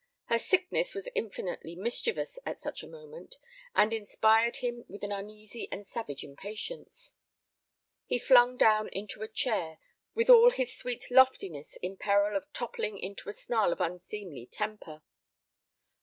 Her sickness was infinitely mischievous at such a moment, and inspired him with an uneasy and savage impatience. He flung down into a chair, with all his sweet loftiness in peril of toppling into a snarl of unseemly temper. Dr.